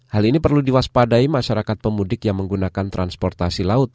hal ini perlu diwaspadai masyarakat pemudik yang menggunakan transportasi laut